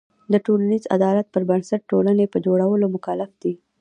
د ټولنیز عدالت پر بنسټ ټولنې په جوړولو مکلف دی.